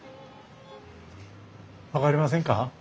分かりませんか？